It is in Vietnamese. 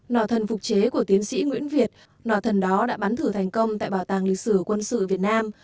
nỏ thần phục chế của tiến sĩ nguyễn việt nò thần đó đã bắn thử thành công tại bảo tàng lịch sử quân sự việt nam